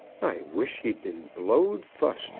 I wish she'd been blowed fust!"